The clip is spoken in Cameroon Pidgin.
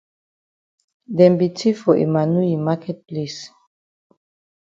Dem be tif for Emmanu yi maket place.